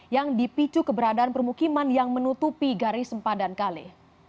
yang dipicu keberadaan permukiman yang menutupi garis sempadan kali